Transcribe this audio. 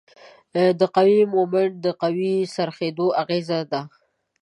د قوې مومنټ د قوې د څرخیدو اغیزه ده.